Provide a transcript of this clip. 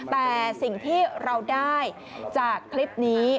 แต่สิ่งที่เราได้จากคลิปนี้